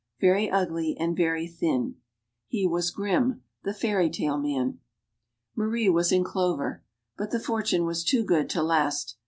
. very ugly and very thin." He was Grimm, the fairytale man. Marie was in clover. But the fortune was too good to last.